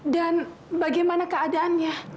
dan bagaimana keadaannya